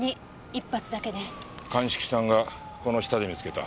鑑識さんがこの下で見つけた。